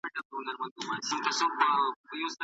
زکات او حج پر چا باندې فرض دي؟